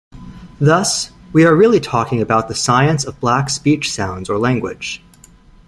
Thus, we are really talking about the science of black speech sounds or language.